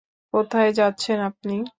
কোথায় যাচ্ছেন আপনি?